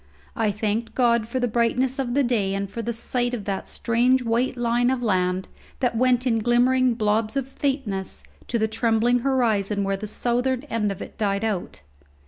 I thanked God for the brightness of the day and for the sight of that strange white line of land, that went in glimmering blobs of faintness to the trembling horizon where the southern end of it died out.